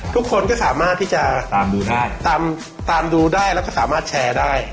ทุกคนก็สามารถที่จะตามดูได้และสามารถแชร์ได้